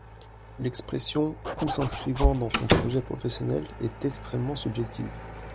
L’expression « ou s’inscrivant dans son projet professionnel » est extrêmement subjective.